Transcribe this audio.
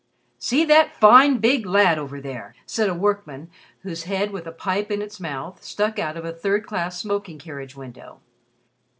"See that fine, big lad over there!" said a workman, whose head, with a pipe in its mouth, stuck out of a third class smoking carriage window.